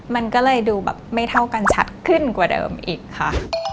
มันก็เลยดูแบบไม่เท่ากันชัดขึ้นกว่าเดิมอีกค่ะ